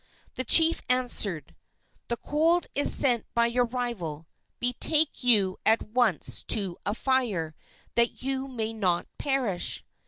The chief answered: "The cold is sent by your rival. Betake you at once to a fire, that you may not perish."